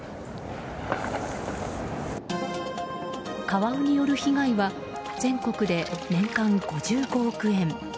カワウによる被害は全国で年間５５億円。